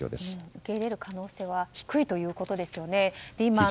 受け入れる可能性は低いということですね。